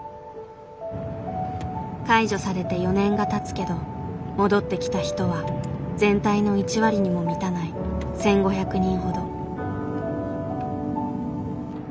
解除されて４年がたつけど戻ってきた人は全体の１割にも満たない１，５００人ほど。